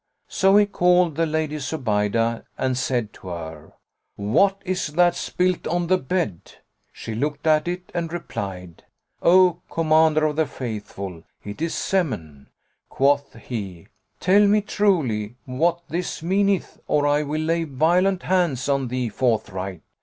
So he called the Lady Zubaydah and said to her, "What is that spilt on the bed?" She looked at it and replied, "O Commander of the Faithful, it is semen." Quoth he, "Tell me truly what this meaneth or I will lay violent hands on thee forthright."